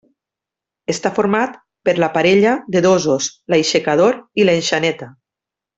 Està format per la parella de dosos, l'aixecador i l'enxaneta.